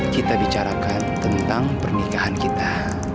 kita bicarakan tentang pernikahan kita